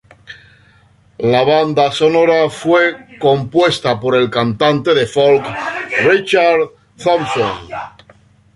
La banda sonora fue compuesta por el cantante de "folk" Richard Thompson.